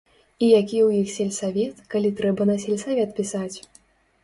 І які ў іх сельсавет, калі трэба на сельсавет пісаць.